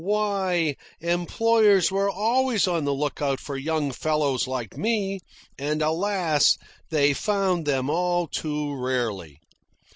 Why, employers were always on the lookout for young fellows like me, and alas, they found them all too rarely.